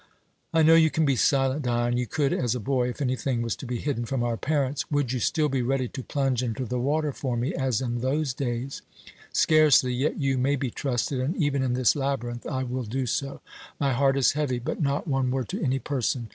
I know you can be silent, Dion. You could as a boy, if anything was to be hidden from our parents. Would you still be ready to plunge into the water for me, as in those days? Scarcely. Yet you may be trusted, and, even in this labyrinth, I will do so. My heart is heavy. But not one word to any person.